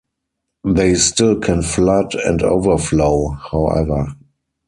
They still can flood and overflow, however.